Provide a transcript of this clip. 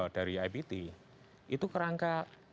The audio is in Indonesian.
dari ipt itu kerangka